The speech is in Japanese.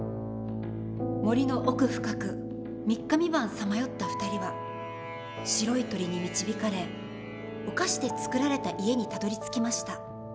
森の奥深く三日三晩さまよった２人は白い鳥に導かれお菓子で作られた家にたどりつきました。